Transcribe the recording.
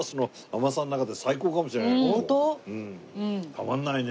たまらないね。